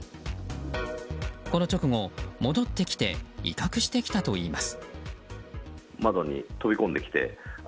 この直後、戻ってきて威嚇してきたといいます。